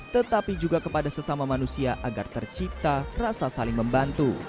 tetapi juga kepada sesama manusia agar tercipta rasa saling membantu